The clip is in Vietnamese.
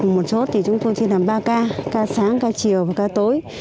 một chốt thì chúng tôi chỉ làm ba ca ca sáng ca chiều và ca tối